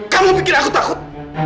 kamu bikin aku takut